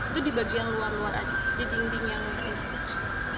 itu di bagian luar luar aja di dinding yang ini